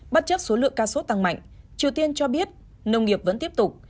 bất chấp số lượng ca sốt tăng mạnh triều tiên cho biết nông nghiệp vẫn tiếp tục